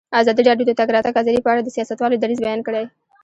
ازادي راډیو د د تګ راتګ ازادي په اړه د سیاستوالو دریځ بیان کړی.